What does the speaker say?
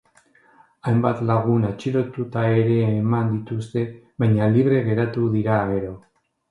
Hainbat lagun atxilotuta ere eraman dituzte, baina libre geratu dira gero.